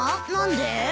何で？